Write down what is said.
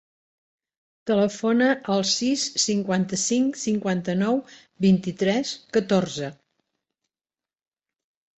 Telefona al sis, cinquanta-cinc, cinquanta-nou, vint-i-tres, catorze.